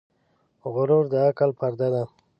غرور د عقل پرده ده .